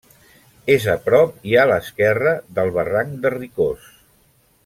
És a prop i a l'esquerra del barranc de Ricós.